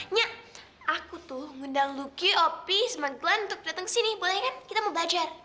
nyak aku tuh ngundang lucky opi semangkulan untuk dateng kesini boleh kan kita mau belajar